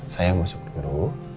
saya masuk dulu